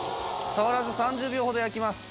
触らず３０秒ほど焼きます。